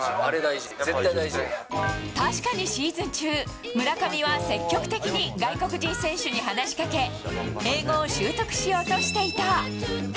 確かにシーズン中、村上は積極的に外国人選手に話しかけ、英語を習得しようとしていた。